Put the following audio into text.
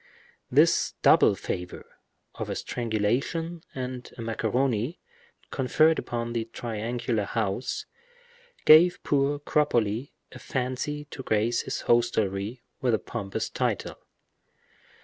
This double favor, of a strangulation and a macaroni, conferred upon the triangular house, gave poor Cropoli a fancy to grace his hostelry with a pompous title.